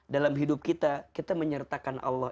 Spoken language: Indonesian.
dalam hidup kita kita menyertakan allah